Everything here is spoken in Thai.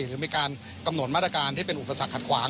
หรือมีการกำหนดมาตรการที่เป็นอุปสรรคขัดขวาง